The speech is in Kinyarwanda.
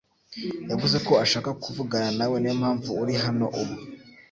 yavuze ko ashaka kuvugana nawe. Niyompamvu uri hano ubu?